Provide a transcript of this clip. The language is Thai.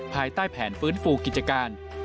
ภายใต้แผนฟื้นฟูกิจการ